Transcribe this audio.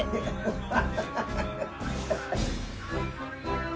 ハハハハ！